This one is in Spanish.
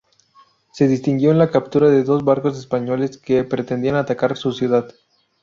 Se distinguió en la captura de dos barcos españoles que pretendían atacar su ciudad.